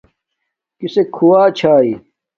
کسک کُھوا چھاݵ